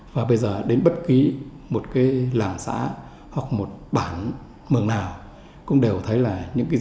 và bây giờ đến bất kỳ một cái làng xã hoặc một bản mường nào cũng đều thấy là những di sản